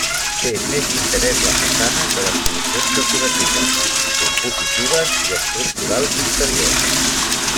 Té més interès la façana que les solucions decoratives, compositives i estructurals interiors.